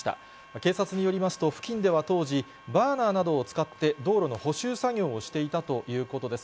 警察によりますと、付近では当時、バーナーなどを使って道路の補修作業をしていたということです。